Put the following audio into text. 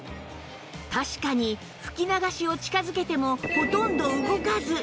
確かに吹き流しを近づけてもほとんど動かず